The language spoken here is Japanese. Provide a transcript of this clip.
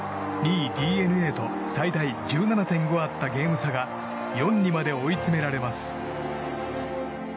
２位、ＤｅＮＡと最大１７．５あったゲーム差が４にまで追い詰められます。